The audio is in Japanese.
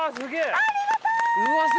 ありがと！